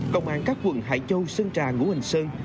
công an các quận hải châu sơn trà ngũ hành sơn